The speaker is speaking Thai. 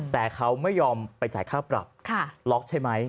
แต่เขาไม่ยอมไปจ่ายค่าปรับล็อกใช่ไหม